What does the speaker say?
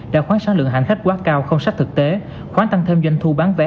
đã khoán sáng lượng hành khách quá cao không sách thực tế khoán tăng thêm doanh thu bán vé